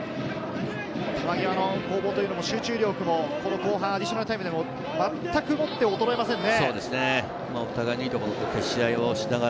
球際の攻防というのも集中力を後半、アディショナルタイムでもまったくもって衰えませんね。